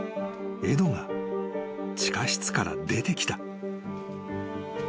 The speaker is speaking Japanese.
［エドが地下室から出てきた］